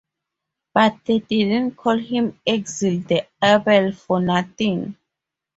But they didn't call him Axil the Able for nothing.